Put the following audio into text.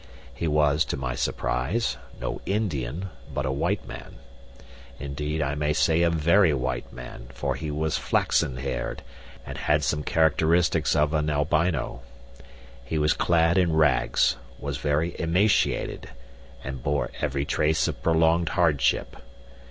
He was, to my surprise, no Indian, but a white man; indeed, I may say a very white man, for he was flaxen haired and had some characteristics of an albino. He was clad in rags, was very emaciated, and bore every trace of prolonged hardship.